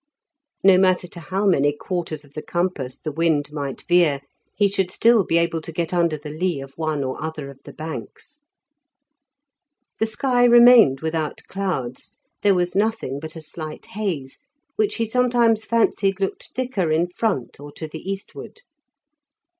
No matter to how many quarters of the compass the wind might veer, he should still be able to get under the lee of one or other of the banks. The sky remained without clouds; there was nothing but a slight haze, which he sometimes fancied looked thicker in front or to the eastward.